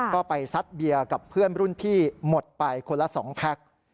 ก็ไปซัดเบียร์กับเพื่อนรุ่นพี่หมดไปคนละ๒แพ็ค